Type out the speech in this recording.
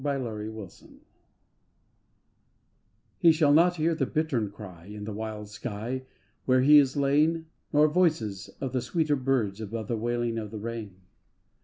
20S THOMAS McDONAGH He shall not hear the bittern cry In the wild sky, where he is lain, Nor voices of the sweeter birds Above the wailing of the rain.